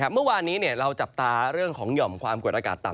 เมื่อวานนี้เราจับตาเรื่องของหย่อมความกดอากาศต่ำ